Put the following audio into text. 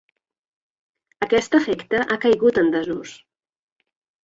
Aquest efecte ha caigut en desús.